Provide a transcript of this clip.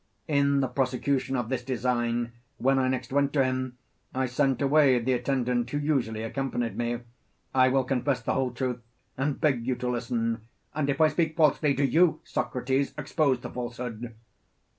In the prosecution of this design, when I next went to him, I sent away the attendant who usually accompanied me (I will confess the whole truth, and beg you to listen; and if I speak falsely, do you, Socrates, expose the falsehood).